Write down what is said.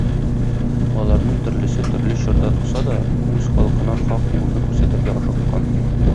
Аларның төрлесе төрле чорда туса да, үз халкына хак юлны күрсәтергә ашыккан